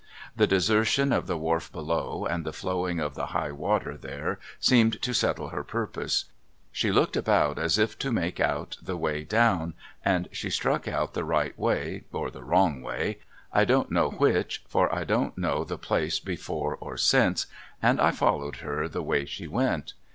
The desertion of the wharf below and the flowin,::,' of the high water there seemed to settle her purpose. She looked about as if to make out the way down, and she struck out the right way or the wrong way — 1 don't know which, for I don't know the place before or since— and I followed her the way she went.